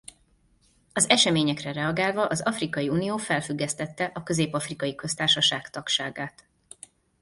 Az eseményekre reagálva az Afrikai Unió felfüggesztette a Közép-afrikai Köztársaság tagságát.